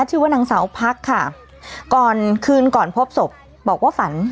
ชื่อว่านางสาวพักค่ะก่อนคืนก่อนพบศพบอกว่าฝัน